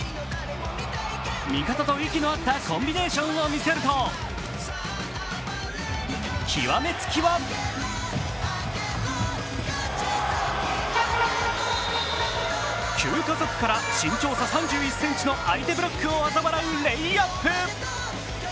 味方と息の合ったコンビネーションを見せると極めつきは急加速から身長差３１ｃｍの相手ブロックをあざ笑うレイアップ。